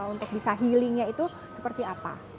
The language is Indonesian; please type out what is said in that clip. untuk bisa healingnya itu seperti apa